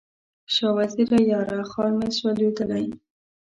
شاه وزیره یاره، خال مې سولېدلی